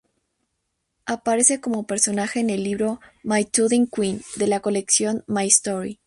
Aparece como personaje en el libro "My Tudor Queen", de la colección "My Story".